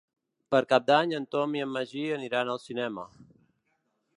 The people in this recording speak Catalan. Per Cap d'Any en Tom i en Magí aniran al cinema.